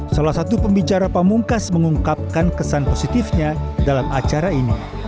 salah satu pembicara pamungkas mengungkapkan kesan positifnya dalam acara ini